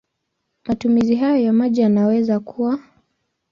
Matumizi hayo ya maji yanaweza kuwa